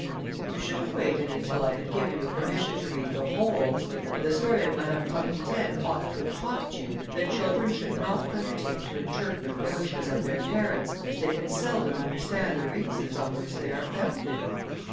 "You should have waited until I had given you permission to read the whole, and the story of Madame Croque Mitaine ought to have taught you, that children should not undertake to interpret the wishes of their parents, as they can seldom understand the reasons on which they are founded.